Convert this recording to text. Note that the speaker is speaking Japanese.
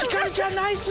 ナイス。